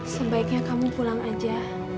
sebaiknya kamu pulang aja